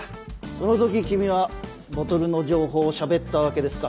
その時君はボトルの情報を喋ったわけですか。